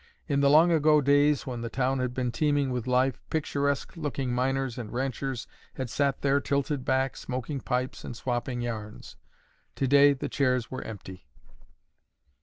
In the long ago days when the town had been teeming with life, picturesque looking miners and ranchers had sat there tilted back, smoking pipes and swapping yarns. Today the chairs were empty.